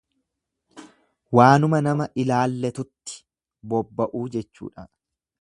Waanuma nama ilaalletutti bobba'uu jechuudha.